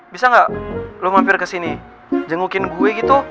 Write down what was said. bisa gak lo mampir kesini jengukin gue gitu